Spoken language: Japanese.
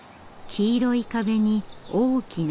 黄色い壁に大きな屋根。